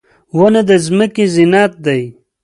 • ونه د ځمکې زینت دی.